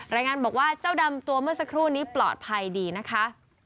รายงานบอกว่าเจ้าดำตัวเมื่อสักครู่นี้ปลอดภัยดีนะคะ